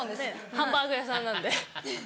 ハンバーグ屋さんなんで。